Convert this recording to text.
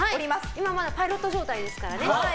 今はまだパイロット状態ですからね。